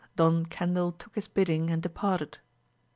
Don Cendil took his bidding and de parted.